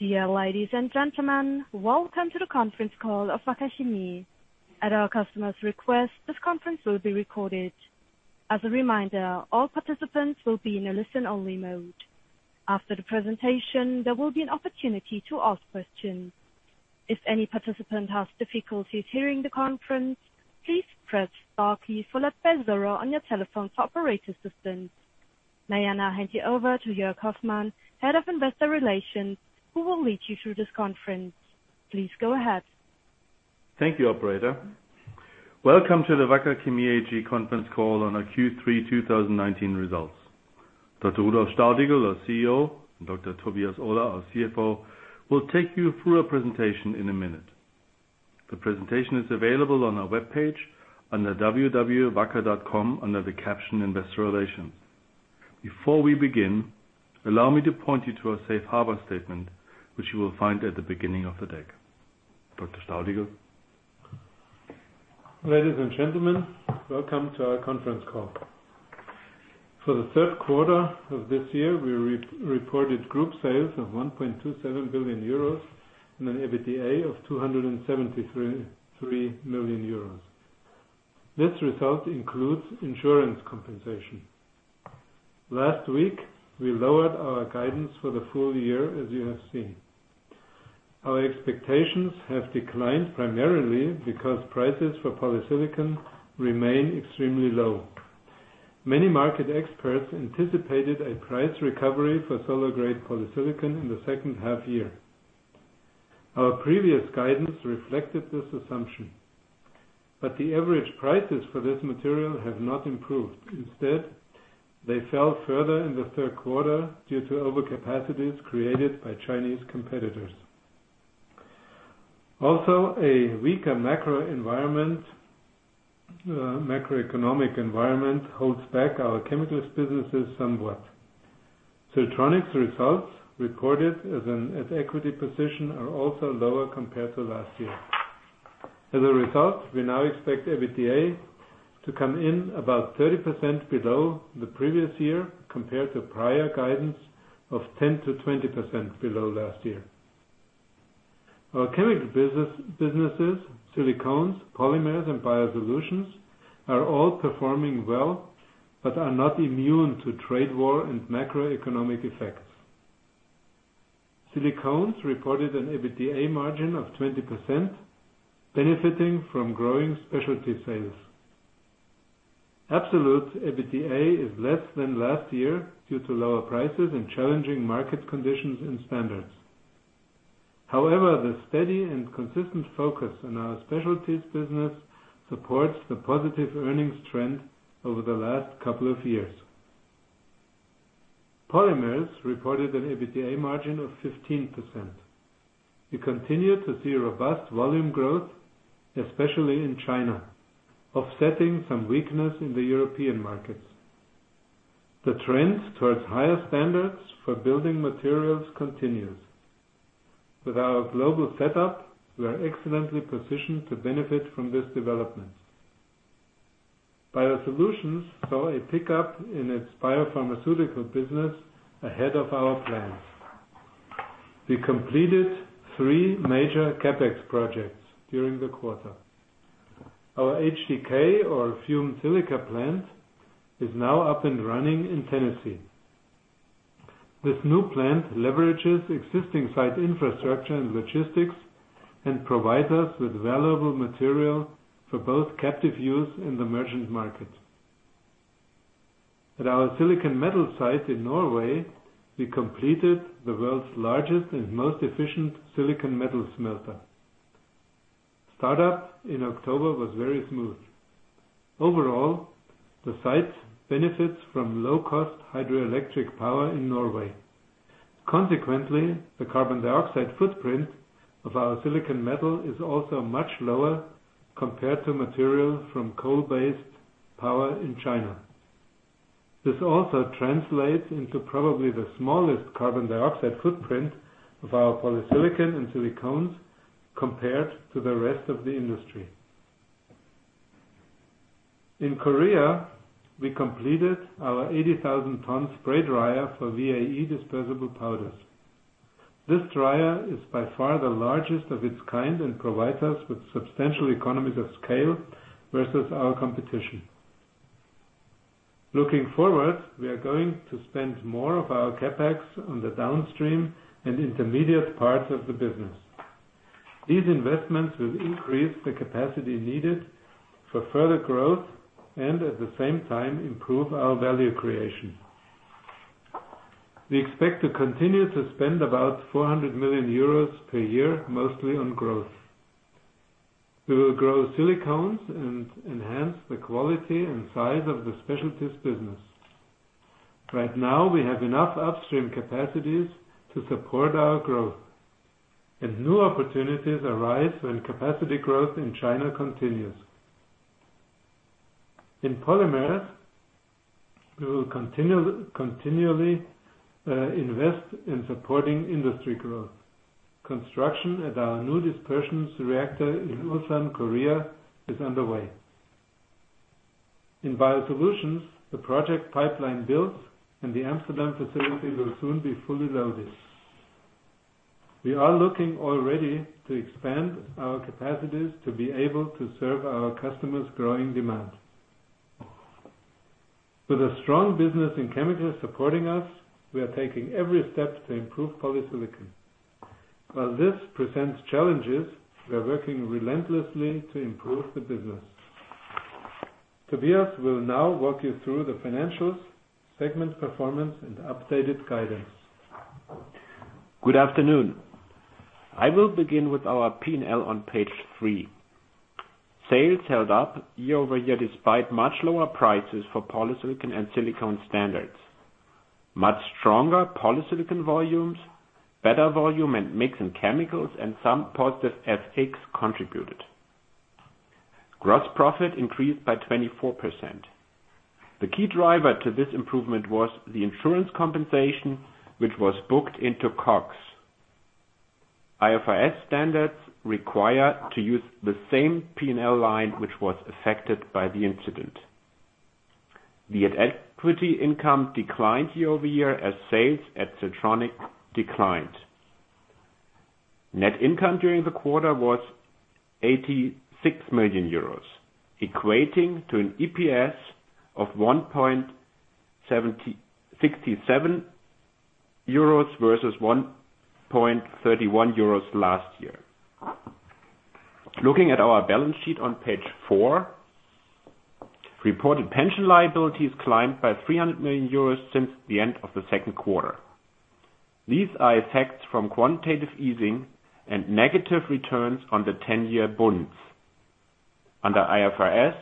Dear ladies and gentlemen. Welcome to the conference call of Wacker Chemie. At our customer's request, this conference will be recorded. As a reminder, all participants will be in a listen-only mode. After the presentation, there will be an opportunity to ask questions. If any participant has difficulties hearing the conference, please press star key followed by zero on your telephone for operator assistance. May I now hand you over to Joerg Hoffmann, Head of Investor Relations, who will lead you through this conference. Please go ahead. Thank you, operator. Welcome to the Wacker Chemie AG Conference Call on our Q3 2019 Results. Dr. Rudolf Staudigl, our CEO, and Dr. Tobias Ohler, our CFO, will take you through a presentation in a minute. The presentation is available on our webpage under www.wacker.com, under the caption Investor Relations. Before we begin, allow me to point you to our safe harbor statement, which you will find at the beginning of the deck. Dr. Staudigl. Ladies and gentlemen, welcome to our conference call. For the third quarter of this year, we reported group sales of 1.27 billion euros and an EBITDA of 273 million euros. This result includes insurance compensation. Last week, we lowered our guidance for the full year, as you have seen. Our expectations have declined primarily because prices for polysilicon remain extremely low. Many market experts anticipated a price recovery for solar-grade polysilicon in the second half-year. Our previous guidance reflected this assumption. The average prices for this material have not improved. Instead, they fell further in the third quarter due to overcapacities created by Chinese competitors. A weaker macroeconomic environment holds back our chemicals businesses somewhat. Siltronic's results, recorded at equity position, are also lower compared to last year. As a result, we now expect EBITDA to come in about 30% below the previous year, compared to prior guidance of 10% to 20% below last year. Our chemical businesses, Silicones, Polymers, and Biosolutions, are all performing well, but are not immune to trade war and macroeconomic effects. Silicones reported an EBITDA margin of 20%, benefiting from growing specialty sales. Absolute EBITDA is less than last year due to lower prices and challenging market conditions and standards. The steady and consistent focus on our specialties business supports the positive earnings trend over the last couple of years. Polymers reported an EBITDA margin of 15%. We continue to see robust volume growth, especially in China, offsetting some weakness in the European markets. The trend towards higher standards for building materials continues. With our global setup, we are excellently positioned to benefit from this development. Biosolutions saw a pickup in its biopharmaceutical business ahead of our plans. We completed three major CapEx projects during the quarter. Our HDK or Fumed Silica plant is now up and running in Tennessee. This new plant leverages existing site infrastructure and logistics and provides us with valuable material for both captive use and the merchant market. At our silicon metal site in Norway, we completed the world's largest and most efficient silicon metal smelter. Start-up in October was very smooth. Overall, the site benefits from low-cost hydroelectric power in Norway. The carbon dioxide footprint of our silicon metal is also much lower compared to material from coal-based power in China. This also translates into probably the smallest carbon dioxide footprint of our polysilicon and silicones compared to the rest of the industry. In Korea, we completed our 80,000-tonne spray dryer for VAE dispersible powders. This dryer is by far the largest of its kind and provides us with substantial economies of scale versus our competition. Looking forward, we are going to spend more of our CapEx on the downstream and intermediate parts of the business. These investments will increase the capacity needed for further growth and, at the same time, improve our value creation. We expect to continue to spend about 400 million euros per year, mostly on growth. We will grow silicones and enhance the quality and size of the specialties business. Right now, we have enough upstream capacities to support our growth, and new opportunities arise when capacity growth in China continues. In polymers, we will continually invest in supporting industry growth. Construction at our new dispersions reactor in Ulsan, Korea is underway. In Biosolutions, the project pipeline built and the Amsterdam facility will soon be fully loaded. We are looking already to expand our capacities to be able to serve our customers' growing demand. With a strong business in chemicals supporting us, we are taking every step to improve polysilicon. While this presents challenges, we are working relentlessly to improve the business. Tobias will now walk you through the financials, segment performance, and updated guidance. Good afternoon. I will begin with our P&L on page three. Sales held up year-over-year, despite much lower prices for polysilicon and silicone standards. Much stronger polysilicon volumes, better volume and mix in chemicals, and some positive FX contributed. Gross profit increased by 24%. The key driver to this improvement was the insurance compensation, which was booked into COGS. IFRS standards require to use the same P&L line which was affected by the incident. The equity income declined year-over-year, as sales at Siltronic declined. Net income during the quarter was 86 million euros, equating to an EPS of 1.67 euros versus 1.31 euros last year. Looking at our balance sheet on page four, reported pension liabilities climbed by 300 million euros since the end of the second quarter. These are effects from quantitative easing and negative returns on the 10-year bonds. Under IFRS,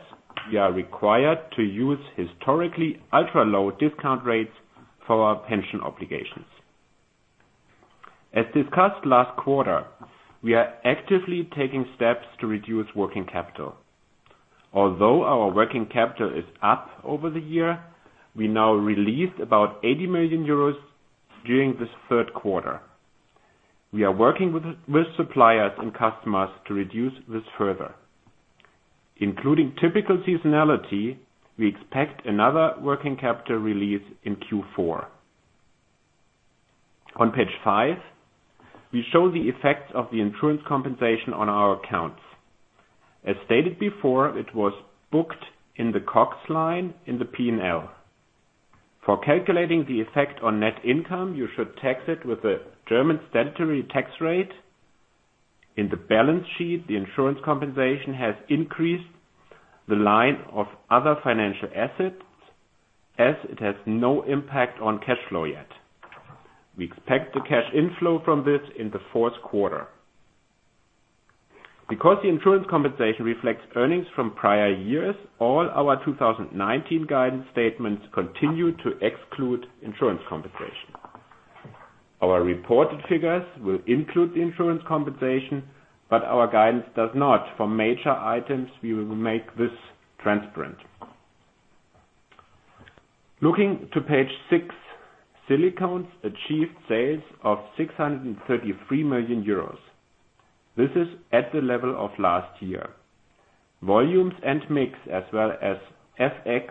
we are required to use historically ultra-low discount rates for our pension obligations. As discussed last quarter, we are actively taking steps to reduce working capital. Although our working capital is up over the year, we now released about 80 million euros during this third quarter. We are working with suppliers and customers to reduce this further. Including typical seasonality, we expect another working capital release in Q4. On page five, we show the effects of the insurance compensation on our accounts. As stated before, it was booked in the COGS line in the P&L. For calculating the effect on net income, you should tax it with the German statutory tax rate. In the balance sheet, the insurance compensation has increased the line of other financial assets, as it has no impact on cash flow yet. We expect the cash inflow from this in the fourth quarter. Because the insurance compensation reflects earnings from prior years, all our 2019 guidance statements continue to exclude insurance compensation. Our reported figures will include the insurance compensation, but our guidance does not. For major items, we will make this transparent. Looking to page six, Silicones achieved sales of 633 million euros. This is at the level of last year. Volumes and mix, as well as FX,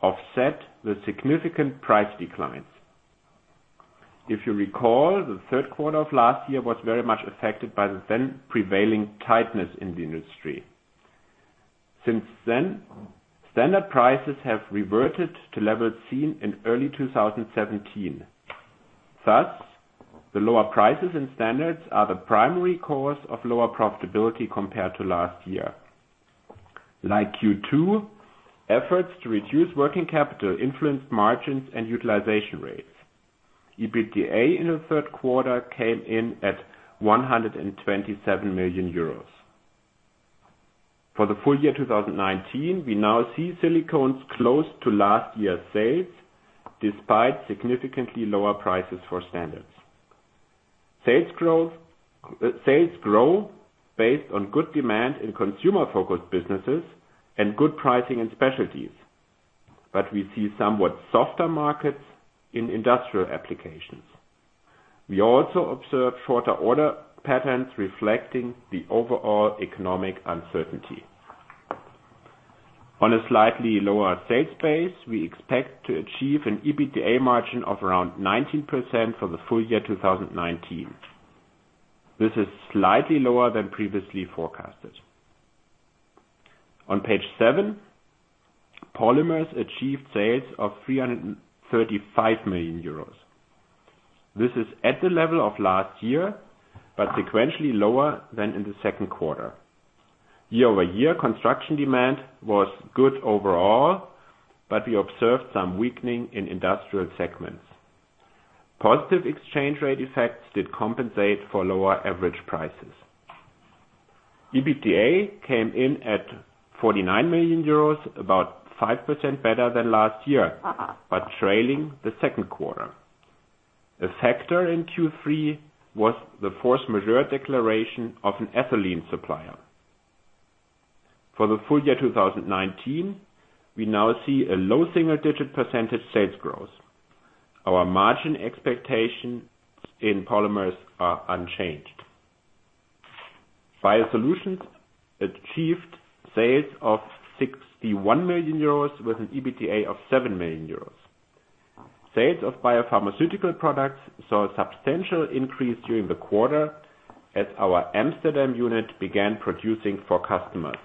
offset the significant price declines. If you recall, the third quarter of last year was very much affected by the then prevailing tightness in the industry. Since then, standard prices have reverted to levels seen in early 2017. Thus, the lower prices and standards are the primary cause of lower profitability compared to last year. Like Q2, efforts to reduce working capital influenced margins and utilization rates. EBITDA in the third quarter came in at 127 million euros. For the full year 2019, we now see Silicones close to last year's sales, despite significantly lower prices for standards. We see somewhat softer markets in industrial applications. We also observed shorter order patterns reflecting the overall economic uncertainty. On a slightly lower sales base, we expect to achieve an EBITDA margin of around 19% for the full year 2019. This is slightly lower than previously forecasted. On page seven, Polymers achieved sales of 335 million euros. This is at the level of last year, but sequentially lower than in the second quarter. Year-over-year, construction demand was good overall, but we observed some weakening in industrial segments. Positive exchange rate effects did compensate for lower average prices. EBITDA came in at 49 million euros, about 5% better than last year, but trailing the second quarter. A factor in Q3 was the force majeure declaration of an ethylene supplier. For the full year 2019, we now see a low single-digit percentage sales growth. Our margin expectations in polymers are unchanged. Biosolutions achieved sales of 61 million euros with an EBITDA of 7 million euros. Sales of biopharmaceutical products saw a substantial increase during the quarter as our Amsterdam unit began producing for customers.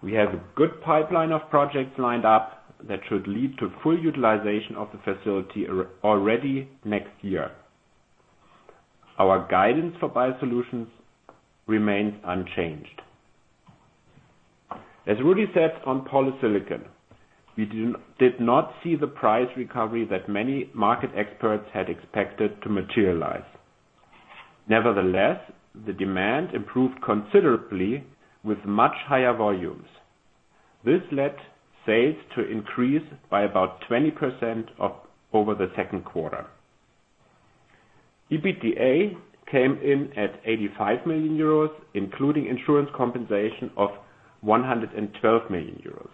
We have a good pipeline of projects lined up that should lead to full utilization of the facility already next year. Our guidance for Biosolutions remains unchanged. As Rudi said on polysilicon, we did not see the price recovery that many market experts had expected to materialize. Nevertheless, the demand improved considerably with much higher volumes. This led sales to increase by about 20% over the second quarter. EBITDA came in at 85 million euros, including insurance compensation of 112 million euros.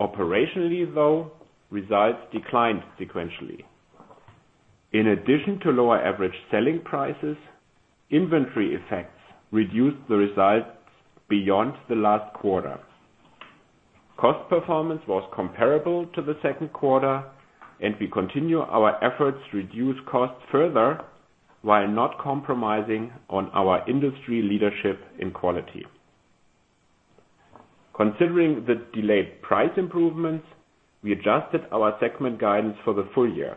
Operationally, though, results declined sequentially. In addition to lower average selling prices, inventory effects reduced the results beyond the last quarter. Cost performance was comparable to the second quarter, and we continue our efforts to reduce costs further while not compromising on our industry leadership in quality. Considering the delayed price improvements, we adjusted our segment guidance for the full year.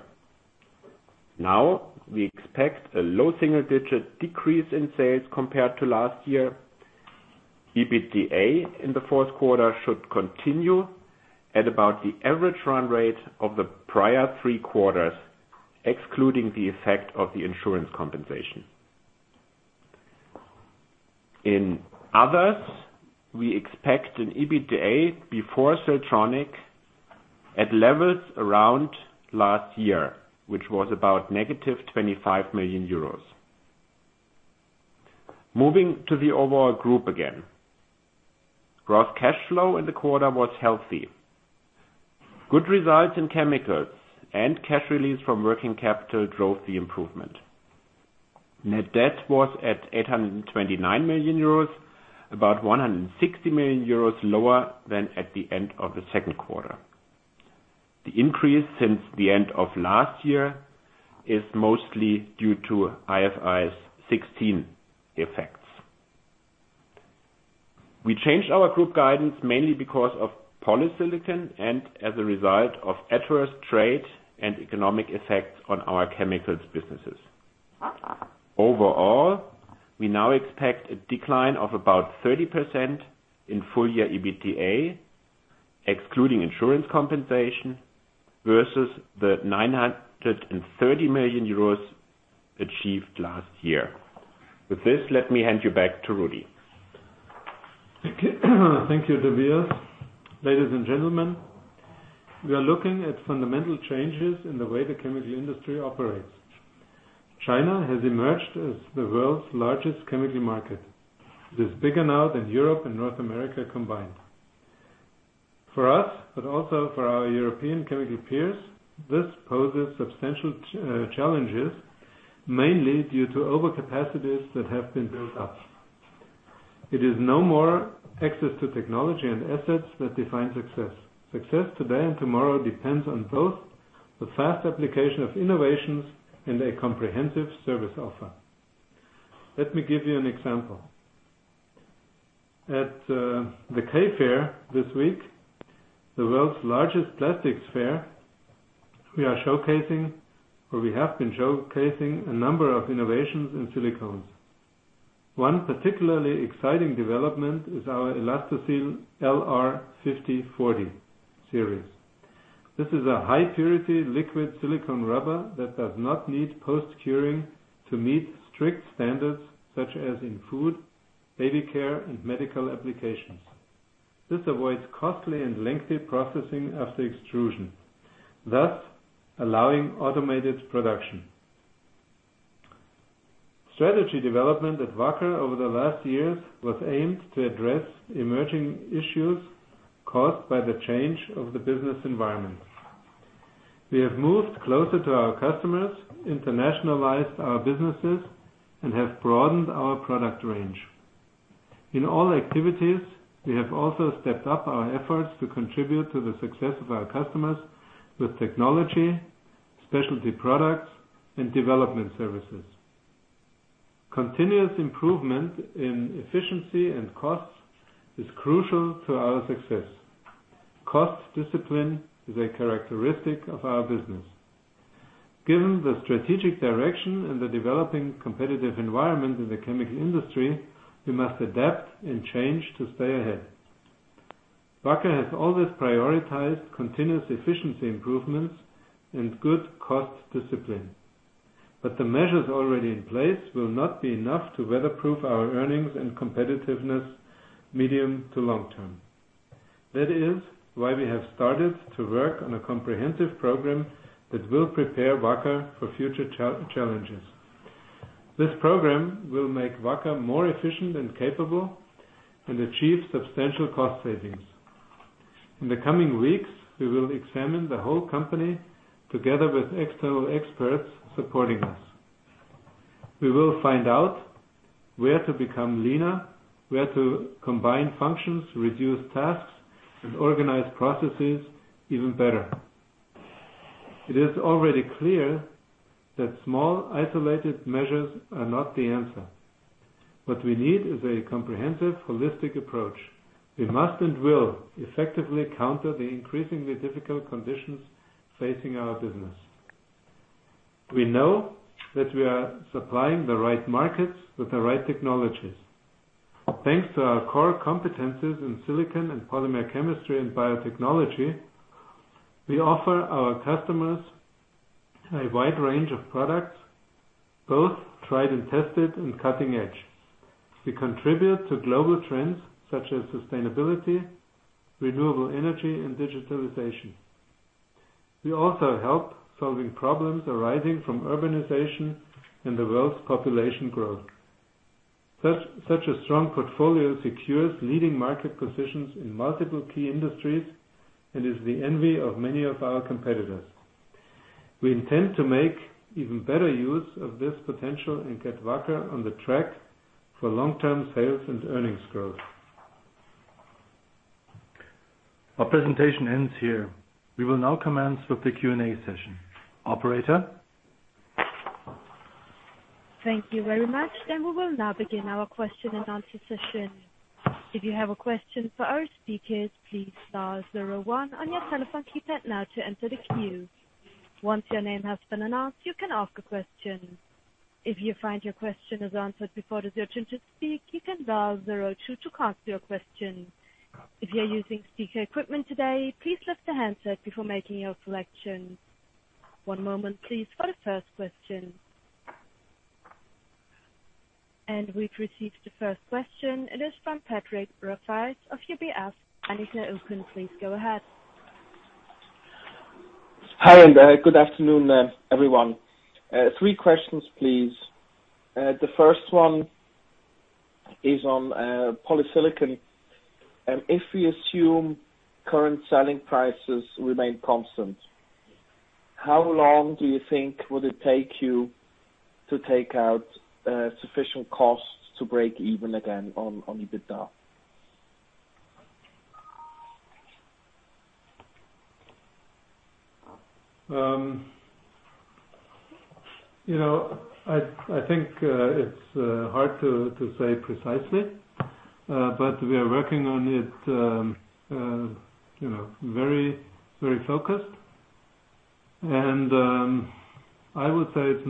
Now we expect a low single-digit decrease in sales compared to last year. EBITDA in the fourth quarter should continue at about the average run rate of the prior three quarters, excluding the effect of the insurance compensation. In others, we expect an EBITDA before Siltronic at levels around last year, which was about -25 million euros. Moving to the overall group again. Gross cash flow in the quarter was healthy. Good results in chemicals and cash release from working capital drove the improvement. Net debt was at 829 million euros, about 160 million euros lower than at the end of the second quarter. The increase since the end of last year is mostly due to IFRS 16 effects. We changed our group guidance mainly because of polysilicon and as a result of adverse trade and economic effects on our chemicals businesses. Overall, we now expect a decline of about 30% in full-year EBITDA, excluding insurance compensation, versus the 930 million euros achieved last year. With this, let me hand you back to Rudi. Thank you, Tobias. Ladies and gentlemen, we are looking at fundamental changes in the way the chemical industry operates. China has emerged as the world's largest chemical market. It is bigger now than Europe and North America combined. Also for our European chemical peers, this poses substantial challenges, mainly due to overcapacities that have been built up. It is no more access to technology and assets that define success. Success today and tomorrow depends on both the fast application of innovations and a comprehensive service offer. Let me give you an example. At the K fair this week, the world's largest plastics fair, we are showcasing, or we have been showcasing a number of innovations in silicones. One particularly exciting development is our ELASTOSIL® LR 5040 series. This is a high-purity liquid silicone rubber that does not need post-curing to meet strict standards, such as in food, baby care, and medical applications. This avoids costly and lengthy processing after extrusion, thus allowing automated production. Strategy development at Wacker over the last years was aimed to address emerging issues caused by the change of the business environment. We have moved closer to our customers, internationalized our businesses, and have broadened our product range. In all activities, we have also stepped up our efforts to contribute to the success of our customers with technology, specialty products, and development services. Continuous improvement in efficiency and costs is crucial to our success. Cost discipline is a characteristic of our business. Given the strategic direction and the developing competitive environment in the chemical industry, we must adapt and change to stay ahead. Wacker has always prioritized continuous efficiency improvements and good cost discipline, but the measures already in place will not be enough to weatherproof our earnings and competitiveness medium to long term. That is why we have started to work on a comprehensive program that will prepare Wacker for future challenges. This program will make Wacker more efficient and capable and achieve substantial cost savings. In the coming weeks, we will examine the whole company together with external experts supporting us. We will find out where to become leaner, where to combine functions, reduce tasks, and organize processes even better. It is already clear that small, isolated measures are not the answer. What we need is a comprehensive, holistic approach. We must and will effectively counter the increasingly difficult conditions facing our business. We know that we are supplying the right markets with the right technologies. Thanks to our core competencies in silicon and polymer chemistry and biotechnology, we offer our customers a wide range of products, both tried and tested and cutting-edge. We contribute to global trends such as sustainability, renewable energy, and digitalization. We also help solving problems arising from urbanization and the world's population growth. Such a strong portfolio secures leading market positions in multiple key industries and is the envy of many of our competitors. We intend to make even better use of this potential and get Wacker on the track for long-term sales and earnings growth. Our presentation ends here. We will now commence with the Q&A session. Operator? Thank you very much. We will now begin our question and answer session. If you have a question for our speakers, please star zero one on your telephone keypad now to enter the queue. Once your name has been announced, you can ask a question. If you find your question is answered before it is your turn to speak, you can dial zero two to cancel your question. If you are using speaker equipment today, please lift the handset before making your selection. One moment, please, for the first question. We've received the first question. It is from Patrick Rafaisz of UBS. The line is now open. Please go ahead. Hi, good afternoon, everyone. Three questions, please. The first one is on polysilicon. If we assume current selling prices remain constant, how long do you think will it take you to take out sufficient costs to break even again on EBITDA? I think it's hard to say precisely but we are working on it very focused. I would say it's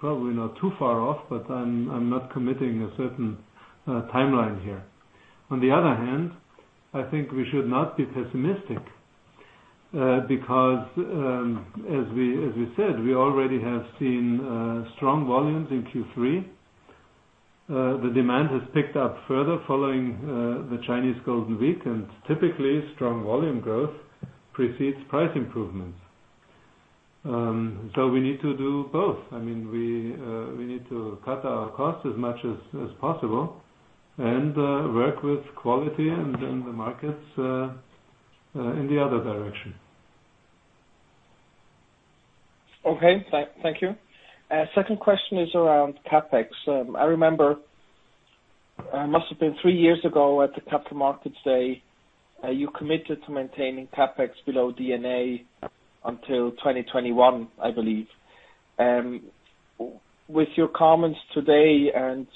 probably not too far off, but I'm not committing a certain timeline here. On the other hand, I think we should not be pessimistic, because as we said, we already have seen strong volumes in Q3. The demand has picked up further following the Chinese Golden Week, and typically, strong volume growth precedes price improvements. We need to do both. We need to cut our costs as much as possible and work with quality and the markets in the other direction. Okay. Thank you. Second question is around CapEx. I remember, it must have been three years ago at the Capital Markets Day, you committed to maintaining CapEx below D&A until 2021, I believe. With your comments today and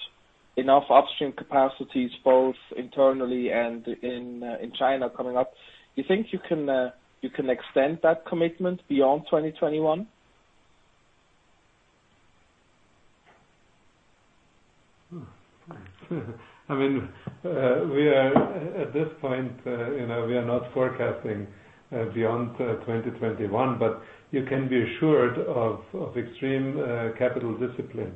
enough upstream capacities both internally and in China coming up, you think you can extend that commitment beyond 2021? At this point, we are not forecasting beyond 2021, but you can be assured of extreme capital discipline.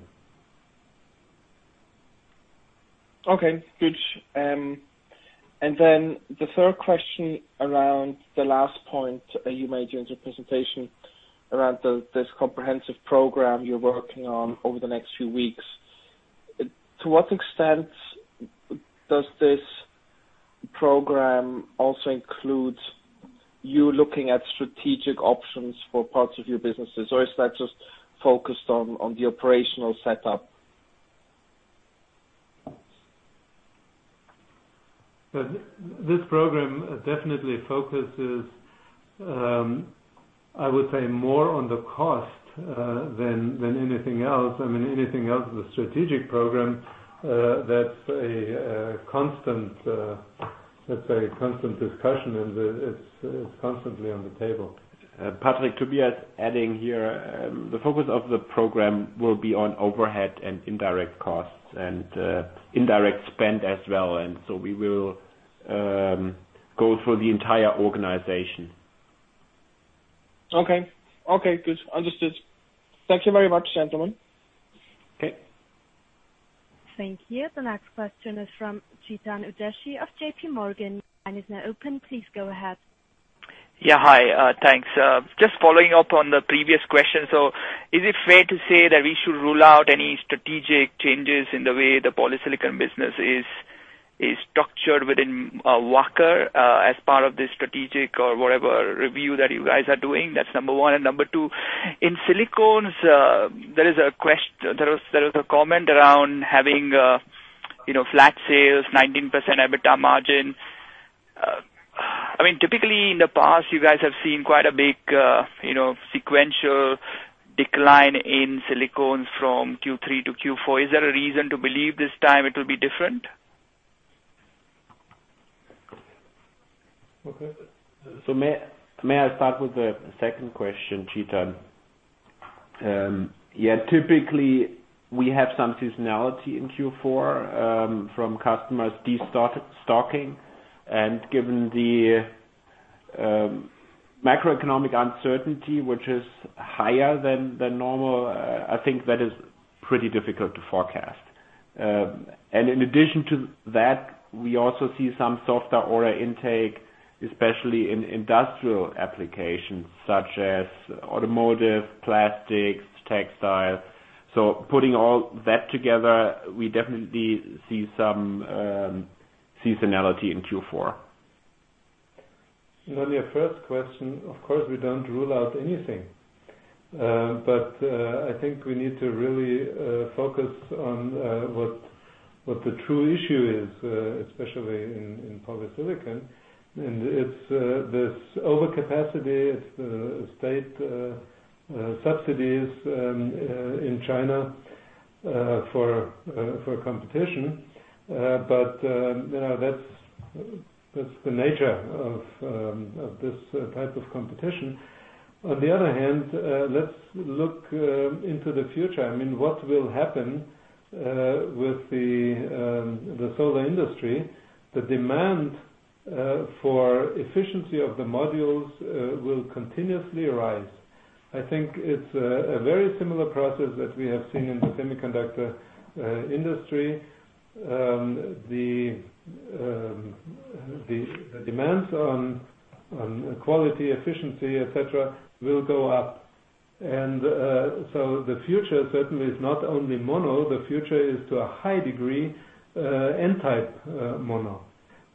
Okay, good. The third question around the last point you made during your presentation around this comprehensive program you're working on over the next few weeks. To what extent does this program also include you looking at strategic options for parts of your businesses, or is that just focused on the operational setup? This program definitely focuses, I would say, more on the cost than anything else. Anything else is a strategic program that's a constant discussion, and it's constantly on the table. Patrick, Tobias adding here. The focus of the program will be on overhead and indirect costs and indirect spend as well, we will go through the entire organization. Okay, good. Understood. Thank you very much, gentlemen. Okay. Thank you. The next question is from Chetan Udeshi of JPMorgan. Line is now open. Please go ahead. Yeah. Hi. Thanks. Just following up on the previous question. Is it fair to say that we should rule out any strategic changes in the way the polysilicon business is structured within Wacker as part of this strategic or whatever review that you guys are doing? That's number one. Number two, in silicones, there was a comment around having flat sales, 19% EBITDA margin. Typically, in the past, you guys have seen quite a big sequential decline in silicones from Q3 to Q4. Is there a reason to believe this time it will be different? Okay. May I start with the second question, Chetan? Yeah. Typically, we have some seasonality in Q4 from customers de-stocking, given the macroeconomic uncertainty, which is higher than normal, I think that is pretty difficult to forecast. In addition to that, we also see some softer order intake, especially in industrial applications such as automotive, plastics, textile. Putting all that together, we definitely see some seasonality in Q4. On your first question, of course, we don't rule out anything. I think we need to really focus on what the true issue is, especially in polysilicon. It's this overcapacity, it's state subsidies in China for competition. That's the nature of this type of competition. On the other hand, let's look into the future. What will happen with the solar industry? The demand for efficiency of the modules will continuously rise. I think it's a very similar process that we have seen in the semiconductor industry. The demands on quality, efficiency, et cetera, will go up. The future certainly is not only mono, the future is to a high degree N-type mono.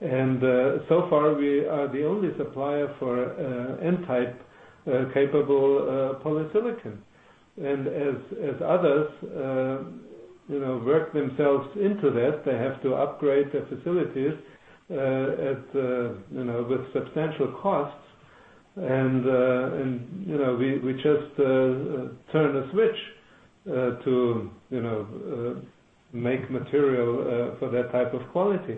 So far, we are the only supplier for N-type capable polysilicon. As others work themselves into that, they have to upgrade their facilities with substantial costs. We just turn a switch to make material for that type of quality.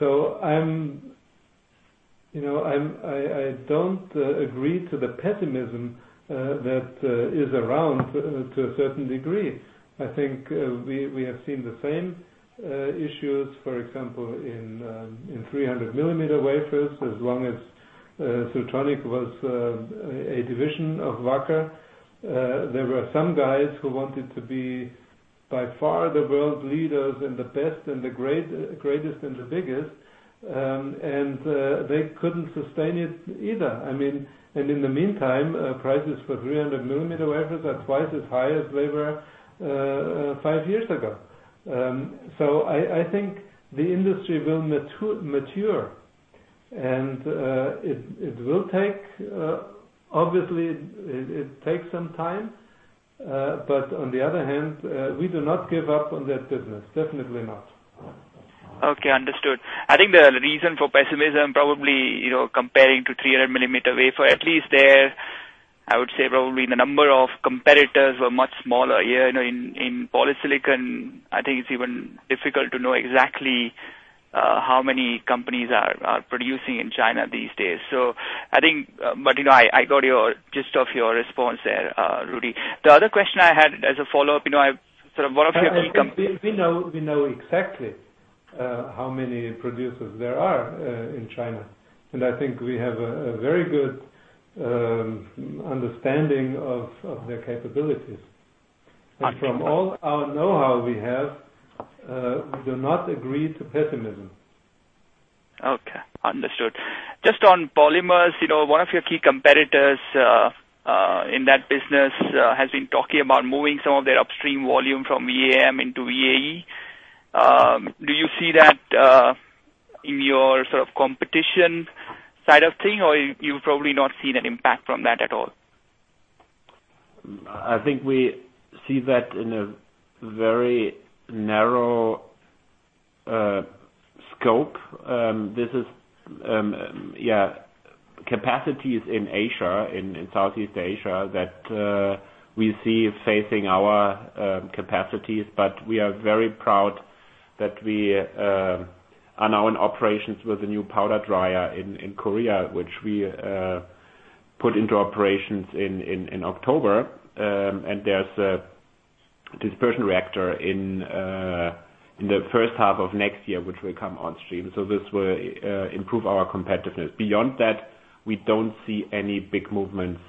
I don't agree to the pessimism that is around to a certain degree. I think we have seen the same issues, for example, in 300 millimeter wafers. As long as Siltronic was a division of Wacker, there were some guys who wanted to be by far the world leaders and the best and the greatest and the biggest and they couldn't sustain it either. In the meantime, prices for 300 millimeter wafers are twice as high as they were five years ago. I think the industry will mature. Obviously it takes some time. On the other hand, we do not give up on that business, definitely not. Understood. I think the reason for pessimism probably comparing to 300 millimeter wafer, at least there, I would say probably the number of competitors were much smaller. In polysilicon, I think it's even difficult to know exactly how many companies are producing in China these days. I got your gist of your response there, Rudi. The other question I had as a follow-up, sort of one of your key- We know exactly how many producers there are in China. I think we have a very good understanding of their capabilities. I see. From all our know-how we have, we do not agree to pessimism. Okay. Understood. Just on polymers, one of your key competitors in that business has been talking about moving some of their upstream volume from VAM into VAE. Do you see that in your sort of competition side of things, or you've probably not seen an impact from that at all? I think we see that in a very narrow scope. This is capacities in Asia, in Southeast Asia, that we see facing our capacities. We are very proud that we are now in operations with a new powder dryer in Korea, which we put into operations in October. There's a dispersion reactor in the first half of next year, which will come on stream. This will improve our competitiveness. Beyond that, we don't see any big movements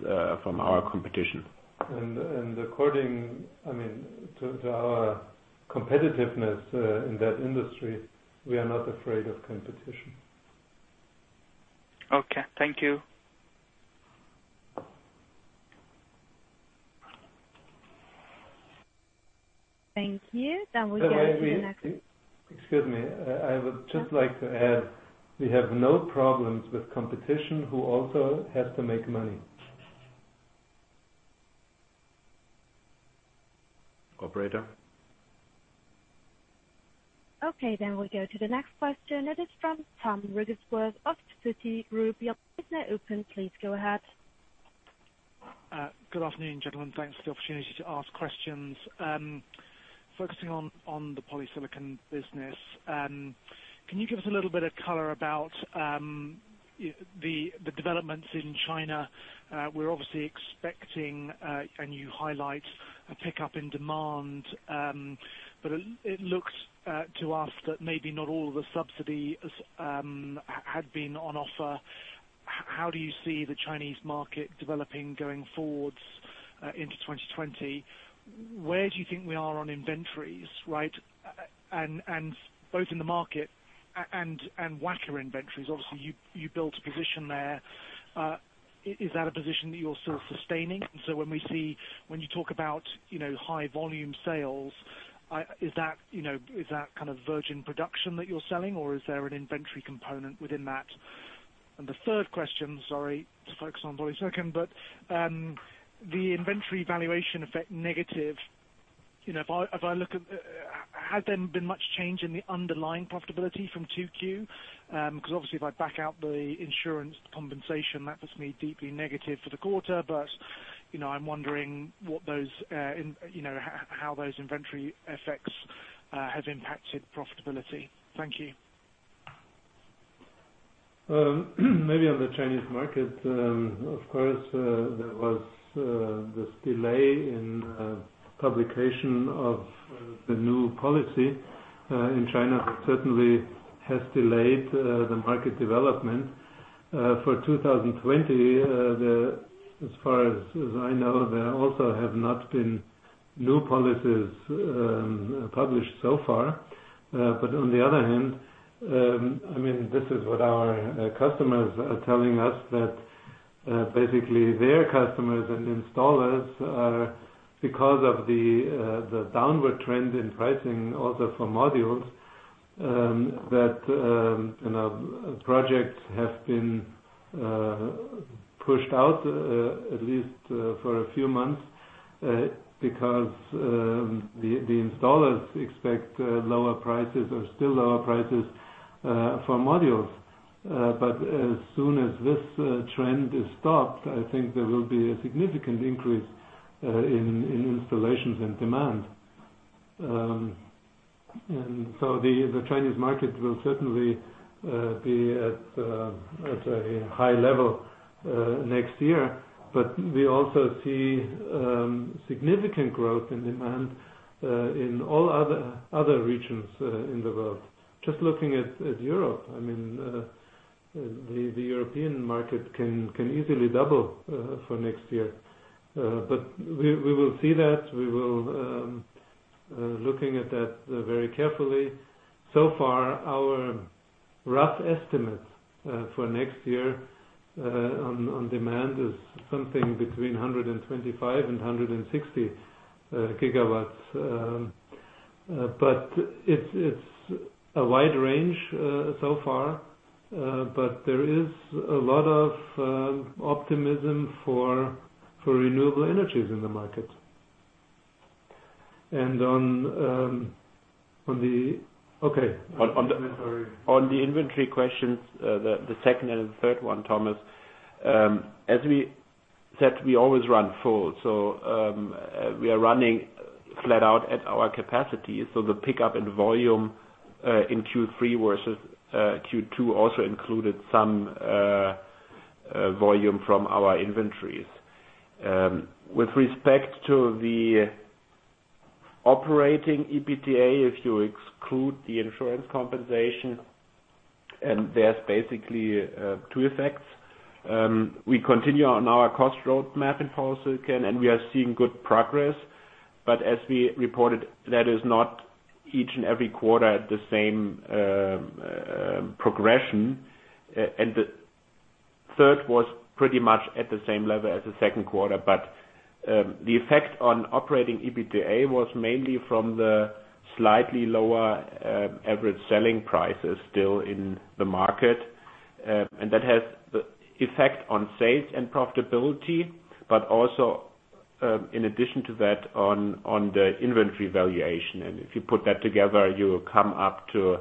from our competition. According to our competitiveness in that industry, we are not afraid of competition. Okay. Thank you. Thank you. we go to the next- Excuse me. I would just like to add, we have no problems with competition who also has to make money. Operator? Okay, we'll go to the next question. It is from Tom Wrigglesworth of Citigroup. Your line is now open. Please go ahead. Good afternoon, gentlemen. Thanks for the opportunity to ask questions. Focusing on the polysilicon business, can you give us a little bit of color about the developments in China? We're obviously expecting, and you highlight, a pickup in demand. It looks to us that maybe not all the subsidy had been on offer. How do you see the Chinese market developing going forwards into 2020? Where do you think we are on inventories, both in the market and Wacker inventories? Obviously, you built a position there. Is that a position that you're still sustaining? When you talk about high volume sales, is that kind of virgin production that you're selling, or is there an inventory component within that? The third question, sorry, to focus on polysilicon, but the inventory valuation effect negative. Has there been much change in the underlying profitability from 2Q? Obviously if I back out the insurance compensation, that was deeply negative for the quarter. I'm wondering how those inventory effects have impacted profitability. Thank you. Maybe on the Chinese market, of course, there was this delay in publication of the new policy in China that certainly has delayed the market development. For 2020, as far as I know, there also have not been new policies published so far. On the other hand, this is what our customers are telling us, that basically their customers and installers are, because of the downward trend in pricing also for modules, that projects have been pushed out at least for a few months because the installers expect lower prices or still lower prices for modules. As soon as this trend is stopped, I think there will be a significant increase in installations and demand. The Chinese market will certainly be at a high level next year. We also see significant growth in demand in all other regions in the world. Just looking at Europe, the European market can easily double for next year. We will see that. We will be looking at that very carefully. So far, our rough estimate for next year on demand is something between 125 GW and 160 GW It's a wide range so far. There is a lot of optimism for renewable energies in the market. Okay. On the inventory questions, the second and the third one, Thomas. We are running flat out at our capacity. The pickup in volume, in Q3 versus Q2, also included some volume from our inventories. With respect to the operating EBITDA, if you exclude the insurance compensation, and there's basically two effects. We continue on our cost roadmap in polysilicon, and we are seeing good progress. As we reported, that is not each and every quarter the same progression. The third was pretty much at the same level as the second quarter. The effect on operating EBITDA was mainly from the slightly lower average selling prices still in the market. That has the effect on sales and profitability, but also, in addition to that, on the inventory valuation. If you put that together, you come up to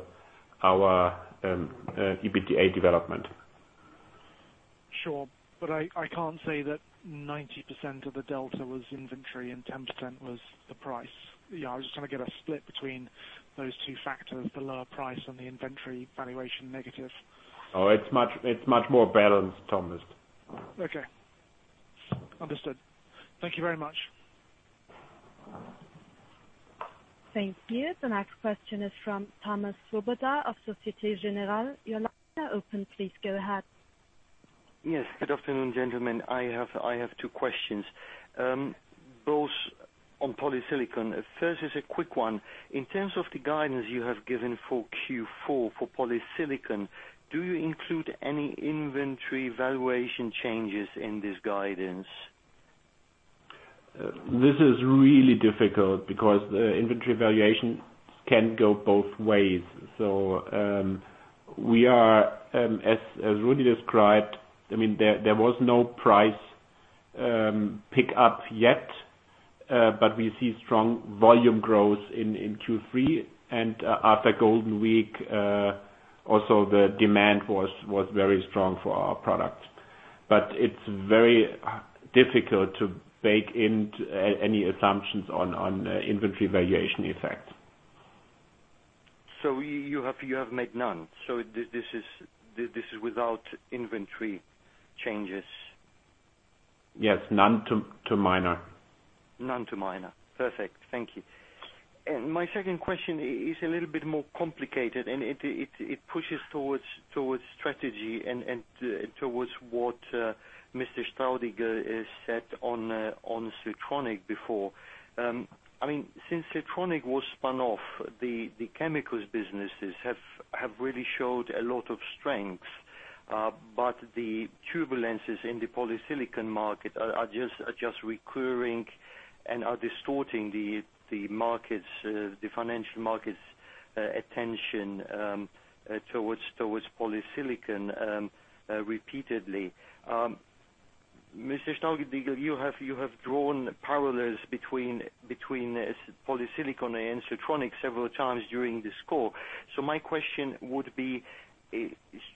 our EBITDA development. Sure. I can't say that 90% of the delta was inventory and 10% was the price. I was just trying to get a split between those two factors, the lower price and the inventory valuation negative. Oh, it's much more balanced, Thomas. Okay. Understood. Thank you very much. Thank you. The next question is from Thomas Swoboda of Société Générale. Your line is now open. Please go ahead. Yes. Good afternoon, gentlemen. I have two questions, both on polysilicon. First is a quick one. In terms of the guidance you have given for Q4 for polysilicon, do you include any inventory valuation changes in this guidance? This is really difficult because the inventory valuation can go both ways. We are, as Rudy described, there was no price pick-up yet, but we see strong volume growth in Q3. After Golden Week, also the demand was very strong for our products. It's very difficult to bake in any assumptions on inventory valuation effects. You have made none. This is without inventory changes. Yes, none to minor. None to minor. Perfect. Thank you. My second question is a little bit more complicated, and it pushes towards strategy and towards what Mr. Staudigl had said on Siltronic before. Since Siltronic was spun off, the chemicals businesses have really showed a lot of strength. The turbulences in the polysilicon market are just recurring and are distorting the financial market's attention towards polysilicon repeatedly. Mr. Staudigl, you have drawn parallels between polysilicon and Siltronic several times during this call. My question would be,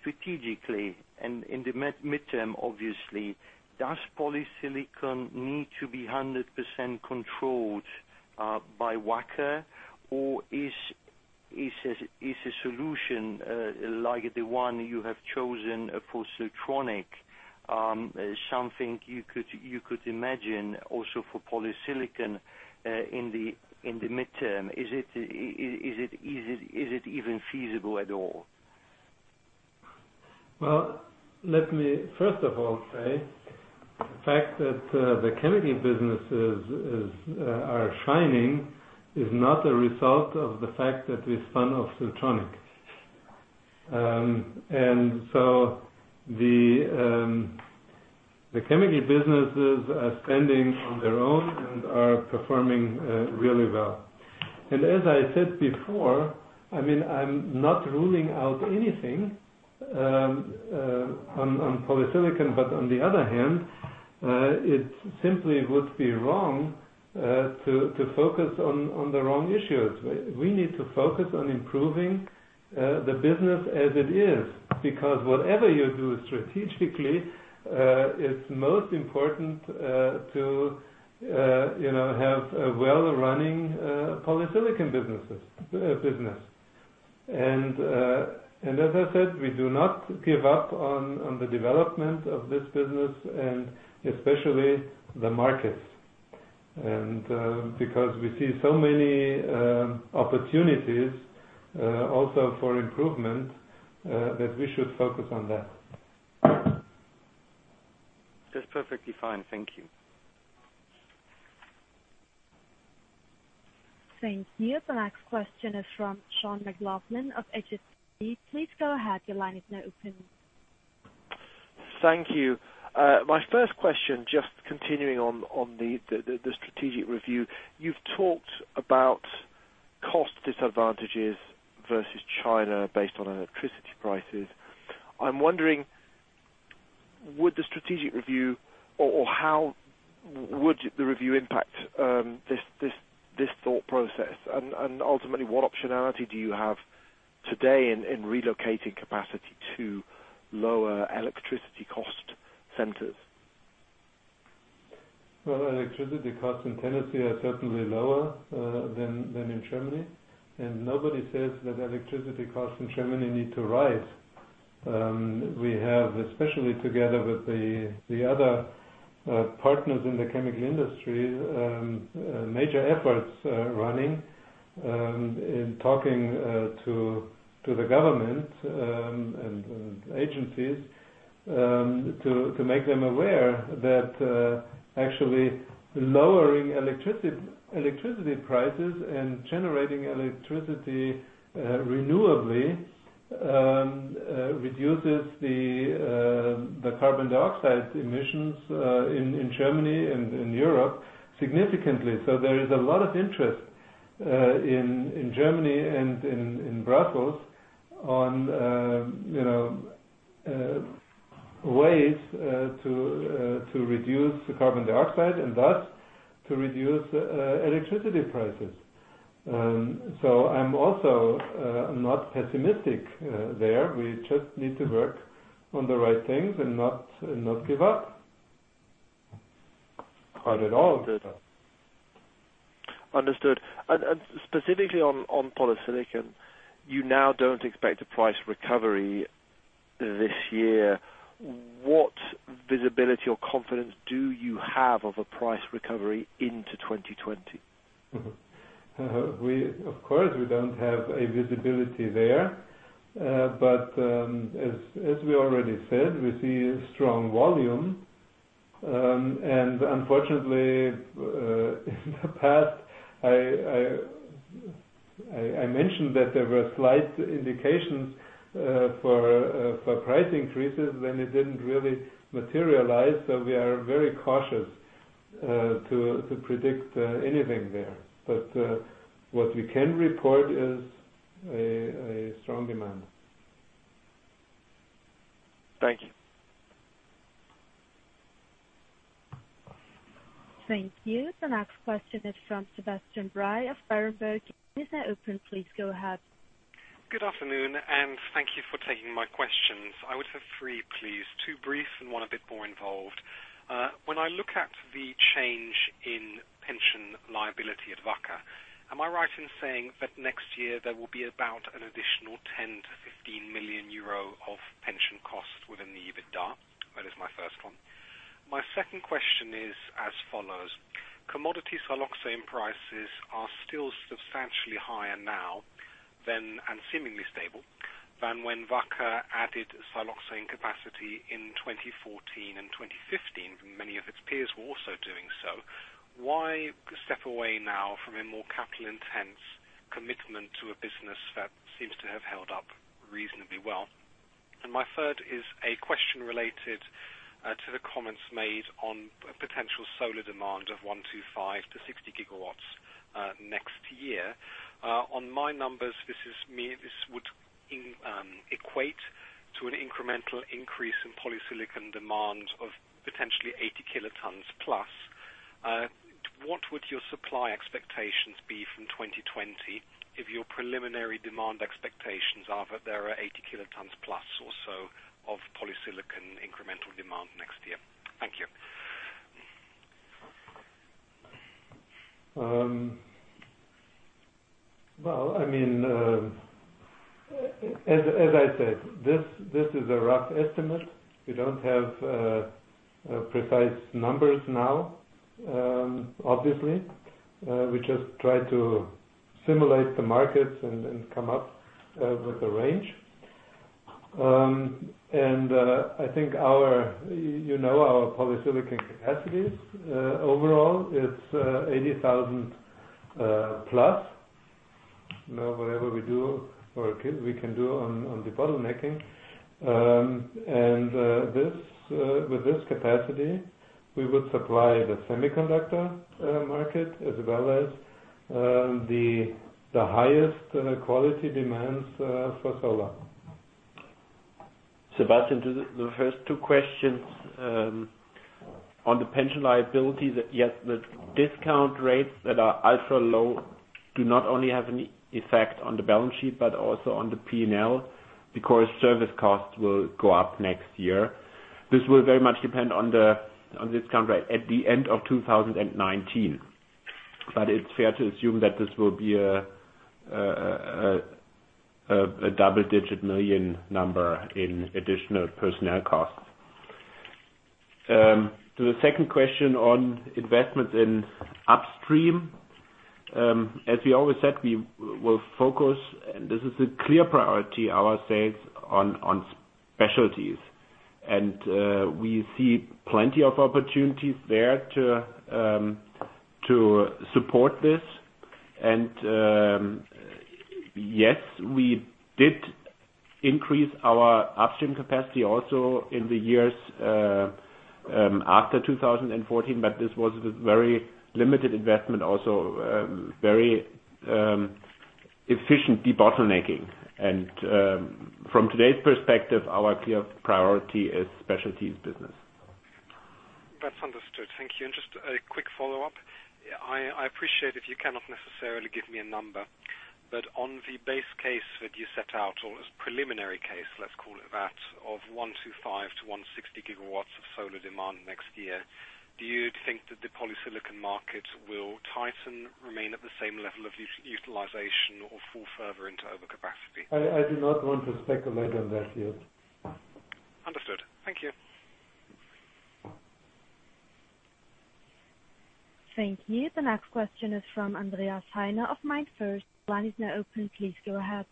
strategically and in the midterm, obviously, does polysilicon need to be 100% controlled by Wacker, or is a solution like the one you have chosen for Siltronic something you could imagine also for polysilicon in the midterm? Is it even feasible at all? Well, let me first of all say, the fact that the chemical businesses are shining is not a result of the fact that we spun off Siltronic. The chemical businesses are standing on their own and are performing really well. As I said before, I'm not ruling out anything on polysilicon, but on the other hand, it simply would be wrong to focus on the wrong issues. We need to focus on improving the business as it is, because whatever you do strategically, it's most important to have a well-running polysilicon business. As I said, we do not give up on the development of this business and especially the markets. Because we see so many opportunities also for improvement, that we should focus on that. That's perfectly fine. Thank you. Thank you. The next question is from Sean McLoughlin of HSBC. Please go ahead. Your line is now open. Thank you. My first question, just continuing on the strategic review. You've talked about cost disadvantages versus China based on electricity prices. I'm wondering, would the strategic review or how would the review impact this thought process? Ultimately, what optionality do you have today in relocating capacity to lower electricity cost centers? Well, electricity costs in Tennessee are certainly lower than in Germany. Nobody says that electricity costs in Germany need to rise. We have, especially together with the other partners in the chemical industry, major efforts running in talking to the government and agencies to make them aware that actually lowering electricity prices and generating electricity renewably reduces the carbon dioxide emissions in Germany and in Europe significantly. There is a lot of interest in Germany and in Brussels on ways to reduce the carbon dioxide and thus to reduce electricity prices. I'm also not pessimistic there. We just need to work on the right things and not give up. Not at all. Understood. Specifically on polysilicon, you now don't expect a price recovery this year. What visibility or confidence do you have of a price recovery into 2020? Of course, we don't have a visibility there. As we already said, we see strong volume. Unfortunately, in the past, I mentioned that there were slight indications for price increases when it didn't really materialize. We are very cautious to predict anything there. What we can report is a strong demand. Thank you. Thank you. The next question is from Sebastian Bray of Berenberg. Is now open. Please go ahead. Good afternoon. Thank you for taking my questions. I would have three, please. Two brief and one a bit more involved. When I look at the change in pension liability at Wacker, am I right in saying that next year there will be about an additional 10 million to 15 million euro of pension costs within the EBITDA? That is my first one. My second question is as follows. Commodity siloxane prices are still substantially higher now, and seemingly stable, than when Wacker added siloxane capacity in 2014 and 2015, many of its peers were also doing so. Why step away now from a more capital-intense commitment to a business that seems to have held up reasonably well? My third is a question related to the comments made on potential solar demand of 125 GW to 160 GW next year. On my numbers, this would equate to an incremental increase in polysilicon demand of potentially 80 kilotons plus. What would your supply expectations be from 2020 if your preliminary demand expectations are that there are 80 kilotons plus or so of polysilicon incremental demand next year? Thank you. As I said, this is a rough estimate. We don't have precise numbers now, obviously. We just try to simulate the markets and come up with a range. I think you know our polysilicon capacities. Overall, it's 80,000 plus, whatever we can do on debottlenecking. With this capacity, we would supply the semiconductor market as well as the highest quality demands for solar. Sebastian, to the first two questions. On the pension liability, yes, the discount rates that are ultra-low do not only have an effect on the balance sheet, but also on the P&L, because service costs will go up next year. This will very much depend on the discount rate at the end of 2019. It's fair to assume that this will be a double-digit million number in additional personnel costs. To the second question on investment in upstream. As we always said, we will focus, and this is a clear priority, I will say, on specialties. We see plenty of opportunities there to support this. Yes, we did increase our upstream capacity also in the years after 2014. This was a very limited investment, also very efficient debottlenecking. From today's perspective, our clear priority is specialties business. That's understood. Thank you. Just a quick follow-up. I appreciate if you cannot necessarily give me a number, but on the base case that you set out, or as preliminary case, let's call it that, of 125 to 160 GW of solar demand next year, do you think that the polysilicon market will tighten, remain at the same level of utilization, or fall further into overcapacity? I do not want to speculate on that yet. Understood. Thank you. Thank you. The next question is from Andreas Heine of MainFirst. Line is now open. Please go ahead.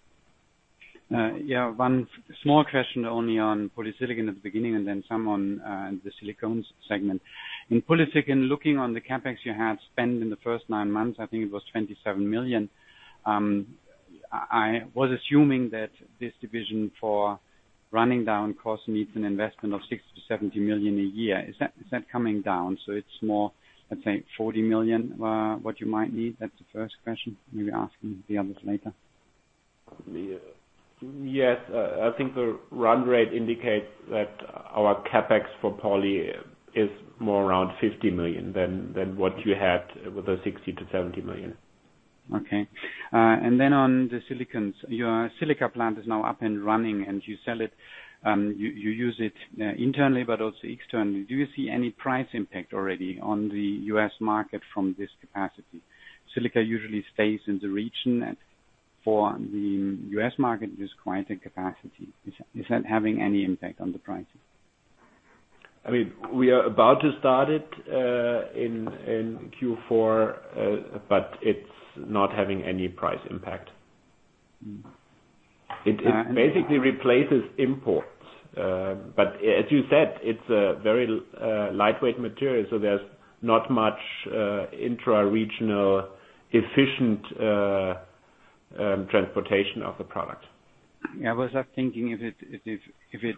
One small question only on polysilicon at the beginning, and then some on the silicones segment. In polysilicon, looking on the CapEx you had spent in the first nine months, I think it was 27 million. I was assuming that this division for running down costs needs an investment of 60 million to 70 million a year. Is that coming down, so it's more, let's say, 40 million, what you might need? That's the first question. Maybe asking the others later. Yes. I think the run rate indicates that our CapEx for poly is more around 50 million than what you had with the 60 million to 70 million. Okay. On the silicones. Your silica plant is now up and running, and you use it internally but also externally. Do you see any price impact already on the U.S. market from this capacity? Silica usually stays in the region. For the U.S. market, it is quite a capacity. Is that having any impact on the pricing? We are about to start it in Q4, it's not having any price impact. It basically replaces imports. As you said, it's a very lightweight material, so there's not much intra-regional efficient transportation of the product. I was thinking if it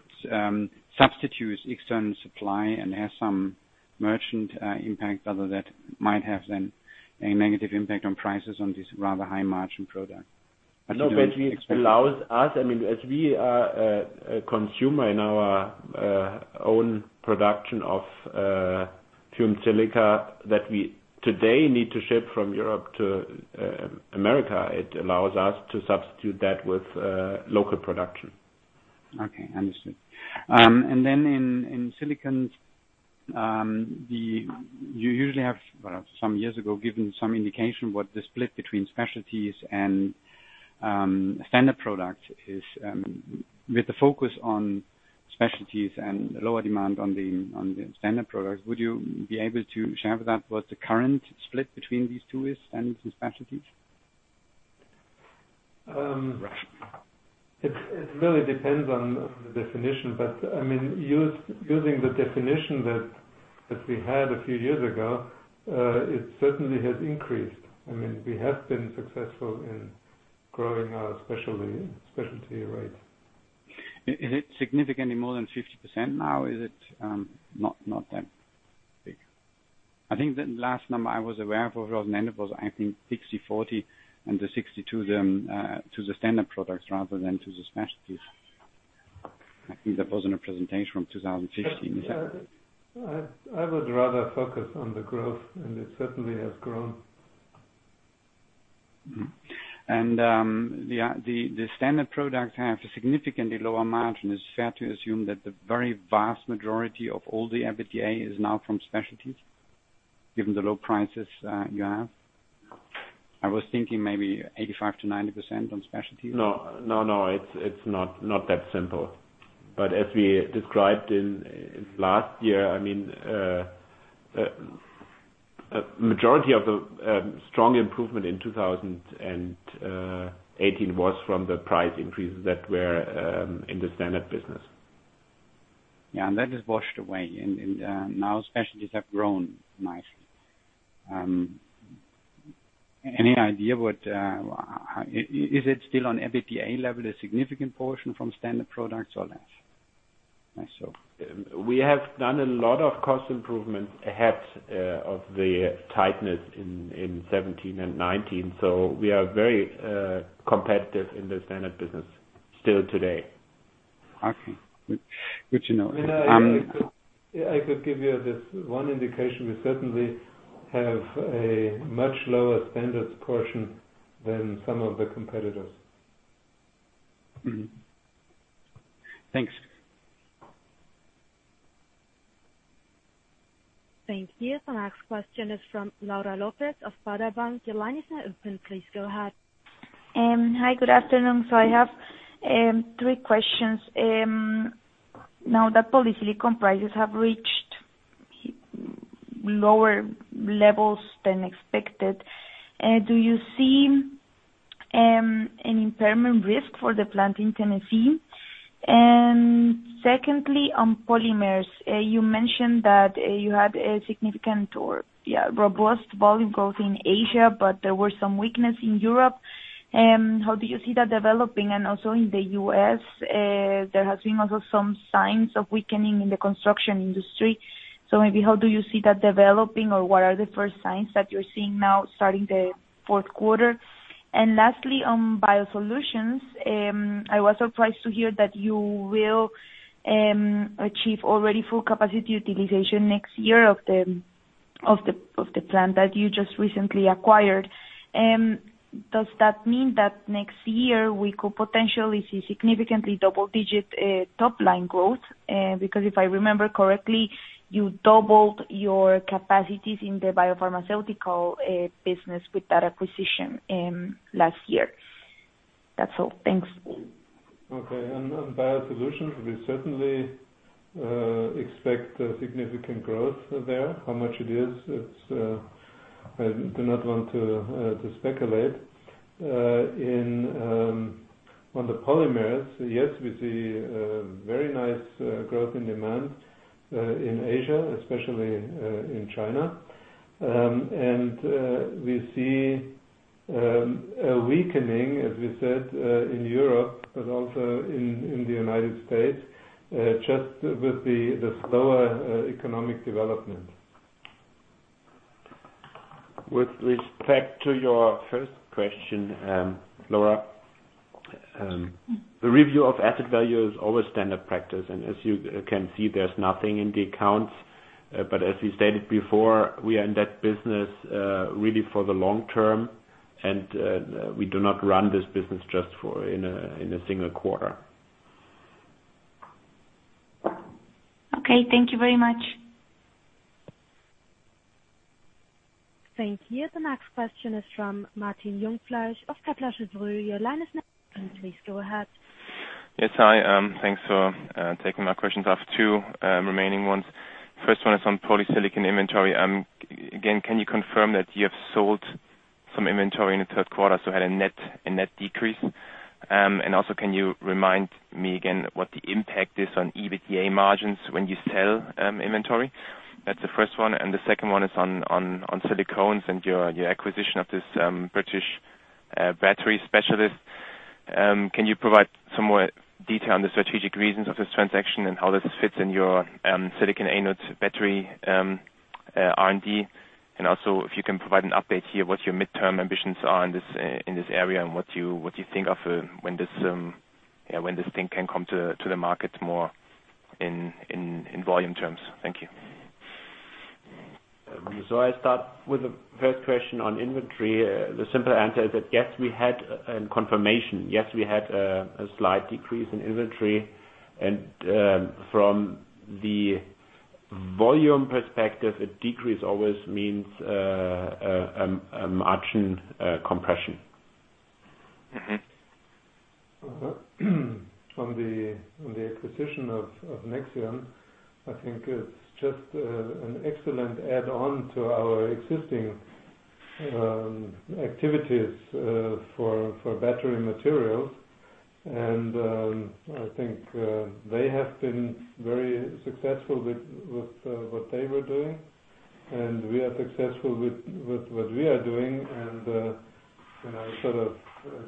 substitutes external supply and has some merchant impact, whether that might have then a negative impact on prices on this rather high-margin product. It allows us, as we are a consumer in our own production of fumed silica that we today need to ship from Europe to America, it allows us to substitute that with local production. Okay, understood. In silicon, you usually have, well, some years ago, given some indication what the split between specialties and standard product is. With the focus on specialties and lower demand on the standard product, would you be able to share with us what the current split between these two is, standards and specialties? It really depends on the definition. Using the definition that we had a few years ago, it certainly has increased. We have been successful in growing our specialty rate. Is it significantly more than 50% now or is it not that big? I think the last number I was aware of was, I think, 60/40, and the 60 to the standard products rather than to the specialties. I think that was in a presentation from 2016. I would rather focus on the growth, and it certainly has grown. The standard products have a significantly lower margin. It's fair to assume that the very vast majority of all the EBITDA is now from specialties, given the low prices you have. I was thinking maybe 85% to 90% on specialties. No. It's not that simple. As we described in last year, majority of the strong improvement in 2018 was from the price increases that were in the standard business. Yeah. That has washed away, and now specialties have grown nicely. Is it still on EBITDA level, a significant portion from standard products or less? That's all. We have done a lot of cost improvements ahead of the tightness in 2017 and 2019. We are very competitive in the standard business still today. Okay. Good to know. I could give you this one indication. We certainly have a much lower standards portion than some of the competitors. Mm-hmm. Thanks. Thank you. The next question is from Laura Lopez of Baader Bank. Your line is now open. Please go ahead. Hi, good afternoon. I have three questions. Now that polysilicon prices have reached lower levels than expected, do you see an impairment risk for the plant in Tennessee? Secondly, on polymers, you mentioned that you had a significant or robust volume growth in Asia, but there were some weakness in Europe. How do you see that developing? Also in the U.S., there has been also some signs of weakening in the construction industry. Maybe how do you see that developing or what are the first signs that you're seeing now starting the fourth quarter? Lastly, on Biosolutions, I was surprised to hear that you will achieve already full capacity utilization next year of the plant that you just recently acquired. Does that mean that next year we could potentially see significantly double-digit top-line growth? If I remember correctly, you doubled your capacities in the biopharmaceutical business with that acquisition last year. That's all. Thanks. Okay. On Wacker Biosolutions, we certainly expect significant growth there. How much it is, I do not want to speculate. On the polymers, yes, we see very nice growth in demand in Asia, especially in China. We see a weakening, as we said, in Europe, but also in the United State, just with the slower economic development. With respect to your first question, Laura, the review of asset value is always standard practice, and as you can see, there's nothing in the accounts. As we stated before, we are in that business really for the long term, and we do not run this business just in a single quarter. Okay. Thank you very much. Thank you. The next question is from Martin Jungfleisch of Kepler Cheuvreux. Your line is next. Please go ahead. Yes, hi. Thanks for taking my questions. I have two remaining ones. First one is on polysilicon inventory. Again, can you confirm that you have sold some inventory in the third quarter, so had a net decrease? Also, can you remind me again what the impact is on EBITDA margins when you sell inventory? That's the first one. The second one is on silicones and your acquisition of this British battery specialist. Can you provide some more detail on the strategic reasons of this transaction and how this fits in your silicon anode battery R&D? Also, if you can provide an update here, what your midterm ambitions are in this area and what you think of when this thing can come to the market more in volume terms. Thank you. I start with the first question on inventory. The simple answer is that yes, we had a confirmation. Yes, we had a slight decrease in inventory. From the volume perspective, a decrease always means a margin compression. On the acquisition of Nexeon, I think it's just an excellent add-on to our existing activities for battery materials. I think they have been very successful with what they were doing, and we are successful with what we are doing. Sort of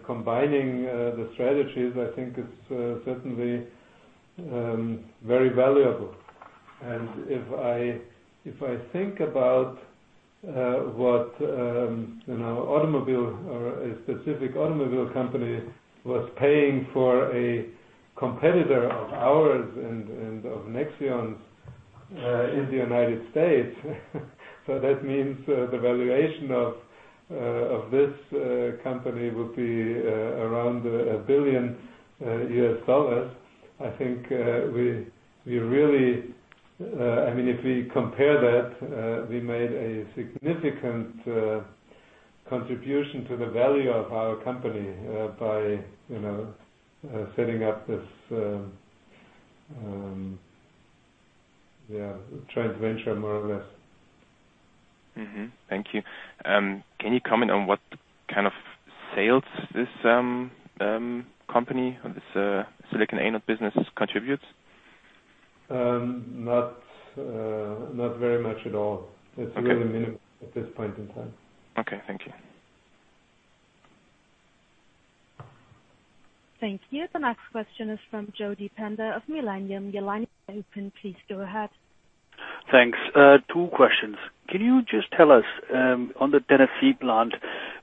combining the strategies, I think it's certainly very valuable. If I think about what a specific automobile company was paying for a competitor of ours and of Nexeon's in the United State, that means the valuation of this company would be around $1 billion. I think if we compare that, we made a significant contribution to the value of our company, by setting up this joint venture, more or less. Thank you. Can you comment on what kind of sales this company or this silicon anode business contributes? Not very much at all. Okay. It's really minimal at this point in time. Okay. Thank you. Thank you. The next question is from Jodi Pender of Millennium. Your line is open. Please go ahead. Thanks. Two questions. Can you just tell us, on the Tennessee plant,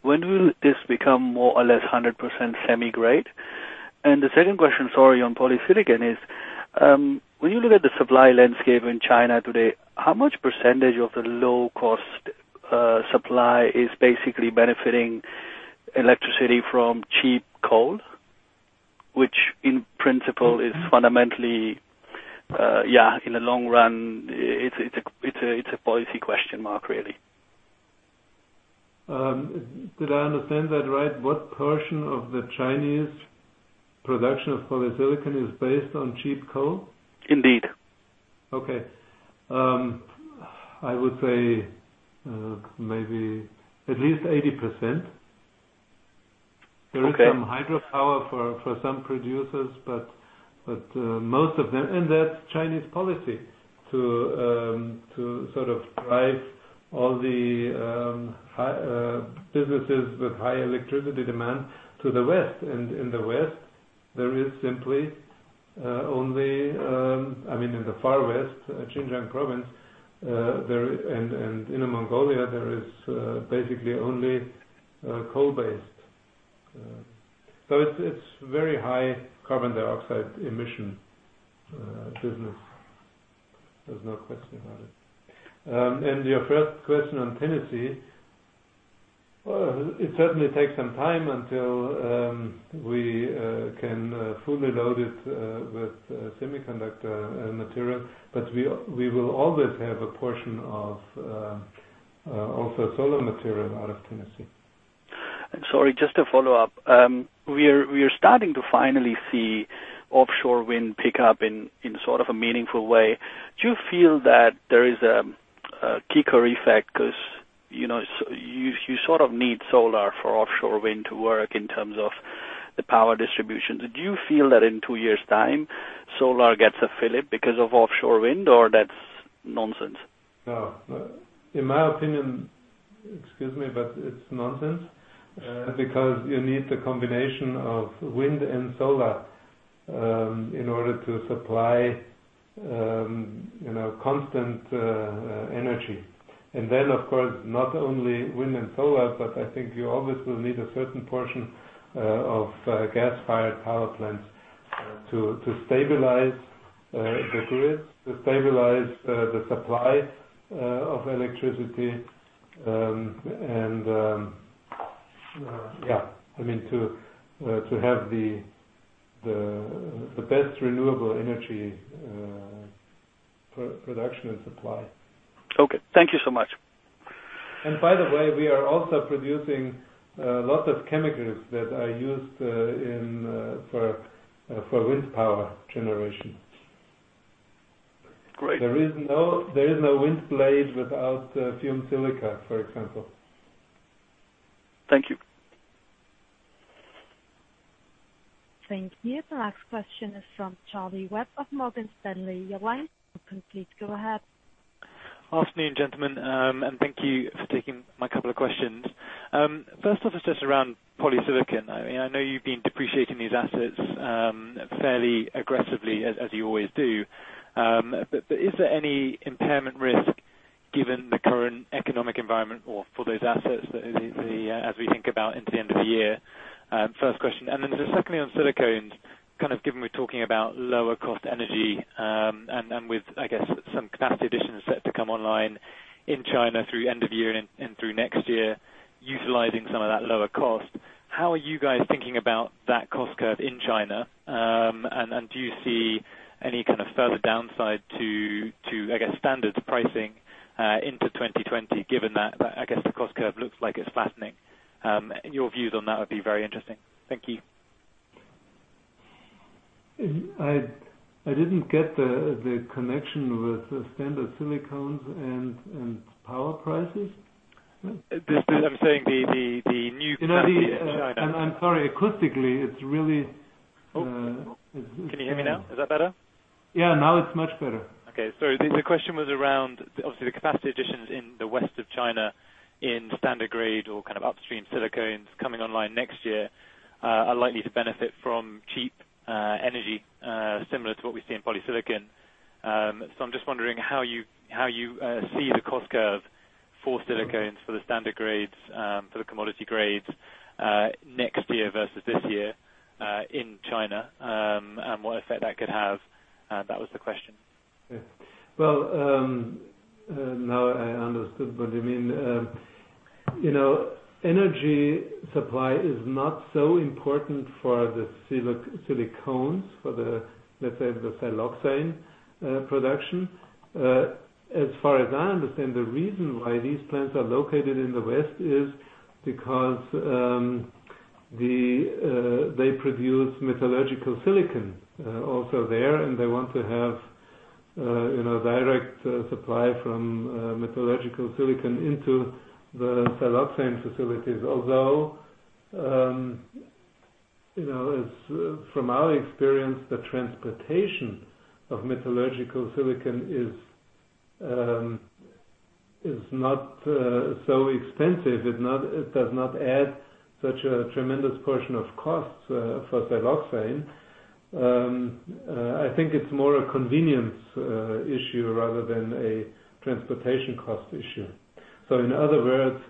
when will this become more or less 100% semi-grade? The second question, sorry, on polysilicon is, when you look at the supply landscape in China today, how much percentage of the low-cost supply is basically benefiting electricity from cheap coal? Which in principle is fundamentally, in the long run, it's a policy question mark, really. Did I understand that right? What portion of the Chinese production of polysilicon is based on cheap coal? Indeed. Okay. I would say, maybe at least 80%. Okay. There is some hydropower for some producers. That's Chinese policy, to sort of drive all the businesses with high electricity demand to the West. In the West, there is simply only in the far west, Xinjiang province, and Inner Mongolia, there is basically only coal-based. It's very high carbon dioxide emission business. There's no question about it. Your first question on Tennessee. It certainly takes some time until we can fully load it with semiconductor material. We will always have a portion of also solar material out of Tennessee. Sorry, just to follow up. We are starting to finally see offshore wind pick up in sort of a meaningful way. Do you feel that there is a kicker effect? You sort of need solar for offshore wind to work in terms of the power distribution. Do you feel that in two years' time, solar gets a fillip because of offshore wind, or that's nonsense? No. In my opinion, excuse me, but it's nonsense. You need the combination of wind and solar, in order to supply constant energy. Of course, not only wind and solar, but I think you always will need a certain portion of gas-fired power plants to stabilize the grid, to stabilize the supply of electricity, and Yeah, I mean, to have the best renewable energy production and supply. Okay. Thank you so much. By the way, we are also producing lots of chemicals that are used for wind power generation. Great. There is no wind blade without Fumed Silica, for example. Thank you. Thank you. The next question is from Charlie Webb of Morgan Stanley. Your line is open. Please go ahead. Afternoon, gentlemen, thank you for taking my couple of questions. First off is just around polysilicon. I know you've been depreciating these assets fairly aggressively, as you always do. Is there any impairment risk given the current economic environment or for those assets as we think about into the end of the year? First question. Then just secondly, on silicones, kind of given we're talking about lower cost energy and with, I guess, some capacity additions set to come online in China through end of year and through next year, utilizing some of that lower cost. How are you guys thinking about that cost curve in China? Do you see any kind of further downside to, I guess, standards pricing into 2020 given that, I guess, the cost curve looks like it's flattening? Your views on that would be very interesting. Thank you. I didn't get the connection with standard silicones and power prices. I'm saying the new capacity- I'm sorry. Acoustically, it's really. Can you hear me now? Is that better? Yeah, now it's much better. Okay. Sorry. The question was around, obviously, the capacity additions in the west of China in standard grade or kind of upstream silicones coming online next year, are likely to benefit from cheap energy, similar to what we see in polysilicon. I'm just wondering how you see the cost curve for silicones, for the standard grades, for the commodity grades, next year versus this year, in China, and what effect that could have. That was the question. Well, now I understood what you mean. Energy supply is not so important for the silicones, for the, let's say, the siloxane production. As far as I understand, the reason why these plants are located in the West is because they produce metallurgical silicon also there, and they want to have direct supply from metallurgical silicon into the siloxane facilities. Although, from our experience, the transportation of metallurgical silicon is not so expensive. It does not add such a tremendous portion of costs for siloxane. I think it's more a convenience issue rather than a transportation cost issue. In other words,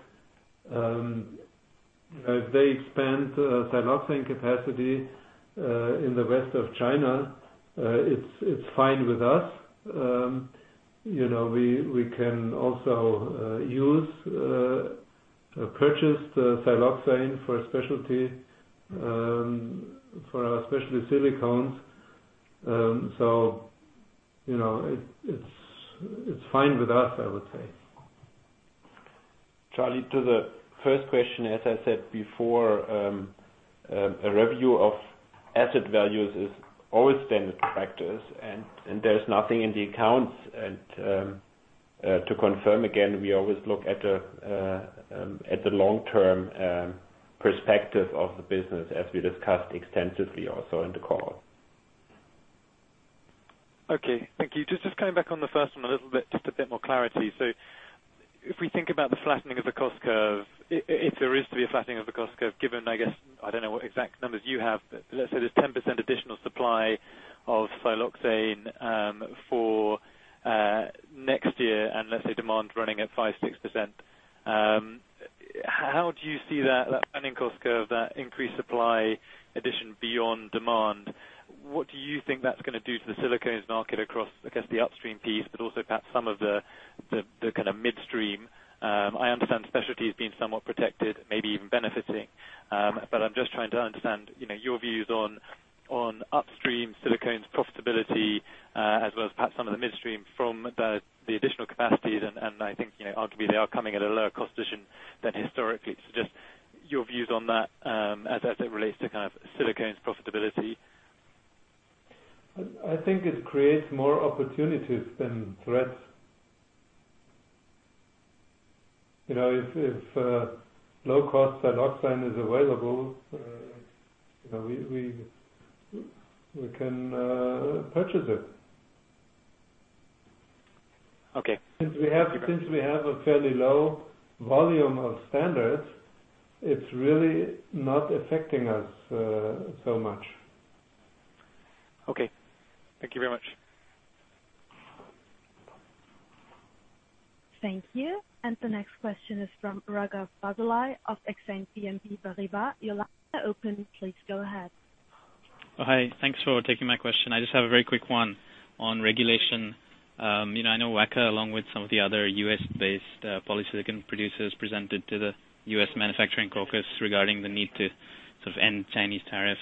if they expand siloxane capacity in the west of China, it's fine with us. We can also use purchased siloxane for our specialty silicones. It's fine with us, I would say. Charlie, to the first question, as I said before, a review of asset values is always standard practice, there's nothing in the accounts. To confirm again, we always look at the long-term perspective of the business as we discussed extensively also in the call. Okay. Thank you. Just coming back on the first one a little bit, just a bit more clarity. If we think about the flattening of the cost curve, if there is to be a flattening of the cost curve, given, I guess, I don't know what exact numbers you have but let's say there's 10% additional supply of siloxane for next year, and let's say demand running at five, 6%. How do you see that planning cost curve, that increased supply addition beyond demand? What do you think that's going to do to the silicones market across, I guess, the upstream piece but also perhaps some of the kind of midstream? I understand specialty is being somewhat protected, maybe even benefiting. I'm just trying to understand your views on upstream silicones profitability, as well as perhaps some of the midstream from the additional capacities and I think, arguably, they are coming at a lower cost position than historically. Just your views on that, as it relates to kind of silicones profitability. I think it creates more opportunities than threats. If low cost siloxane is available, we can purchase it. Okay. Since we have a fairly low volume of standards, it's really not affecting us so much. Okay. Thank you very much. Thank you. The next question is from Raghav Bhuyan of Exane BNP Paribas. Your line is now open. Please go ahead. Hi. Thanks for taking my question. I just have a very quick one on regulation. I know Wacker, along with some of the other U.S.-based polysilicon producers, presented to the House Manufacturing Caucus regarding the need to sort of end Chinese tariffs.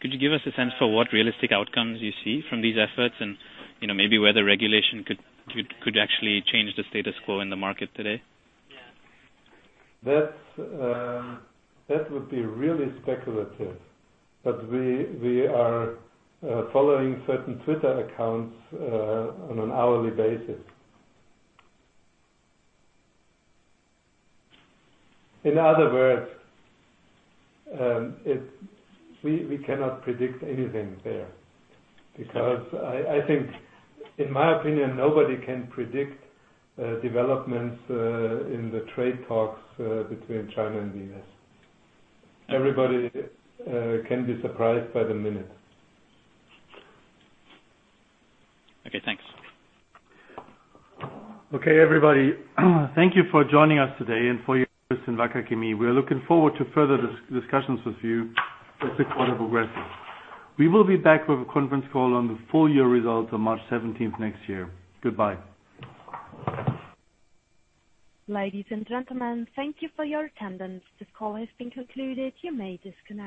Could you give us a sense for what realistic outcomes you see from these efforts and maybe whether regulation could actually change the status quo in the market today? That would be really speculative. We are following certain Twitter accounts on an hourly basis. In other words, we cannot predict anything there. I think, in my opinion, nobody can predict developments in the trade talks between China and the U.S. Everybody can be surprised by the minute. Okay, thanks. Okay, everybody. Thank you for joining us today and for your interest in Wacker Chemie. We are looking forward to further discussions with you as the quarter progresses. We will be back with a conference call on the full year results on March 17th next year. Goodbye. Ladies and gentlemen, thank you for your attendance. This call has been concluded. You may disconnect.